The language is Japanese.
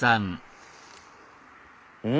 うん！